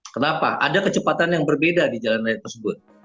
kenapa ada kecepatan yang berbeda di jalan raya tersebut